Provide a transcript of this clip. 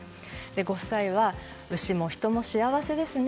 ご夫妻は、牛も人も幸せですね。